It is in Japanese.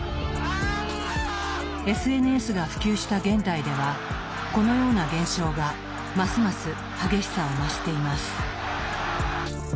ＳＮＳが普及した現代ではこのような現象がますます激しさを増しています。